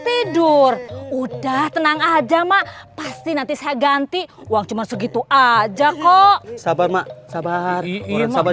tidur udah tenang aja mak pasti nanti saya ganti uang cuma segitu aja kok sabar mak sabar sabar